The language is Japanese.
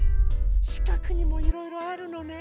しかくにもいろいろあるのね。